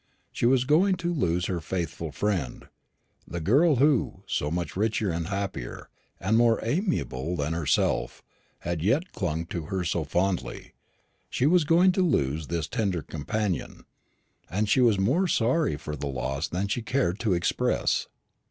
She was going to lose her faithful friend the girl who, so much richer, and happier, and more amiable than herself, had yet clung to her so fondly; she was going to lose this tender companion, and she was more sorry for the loss than she cared to express.